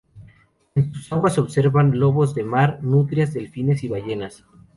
En sus aguas se observan lobos de mar, nutrias, delfines y ballenas.